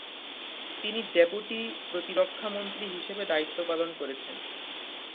তিনি ডেপুটি প্রতিরক্ষামন্ত্রী হিসেবে দায়িত্বপালন করেছেন।